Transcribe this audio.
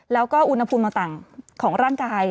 แล้วก็อุณหภูมิต่างของร่างกาย